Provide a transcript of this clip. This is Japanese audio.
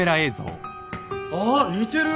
ああ似てる！